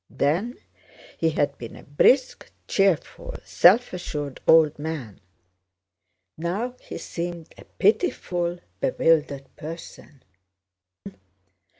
Then he had been a brisk, cheerful, self assured old man; now he seemed a pitiful, bewildered person.